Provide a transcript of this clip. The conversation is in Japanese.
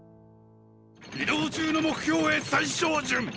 移動中の目標へ再照準！！